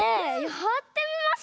やってみましょう。